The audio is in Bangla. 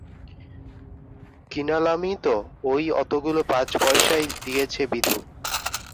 -কিনালামই তো, ওই অতগুলো পাঁচ পয়সায় দিয়েছে বিধু।